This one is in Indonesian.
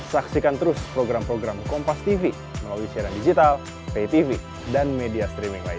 saksikan terus program program kompastv melalui siaran digital paytv dan media streaming lain